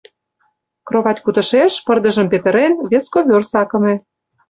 Кровать кутышеш, пырдыжым петырен, вес ковёр сакыме.